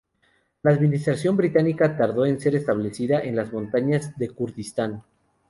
La administración británica tardó en ser establecida en las montañas de Kurdistán.